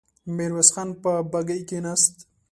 ميرويس خان په بګۍ کې کېناست.